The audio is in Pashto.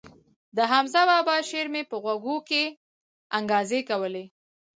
د حمزه بابا شعر مې په غوږو کښې انګازې کولې.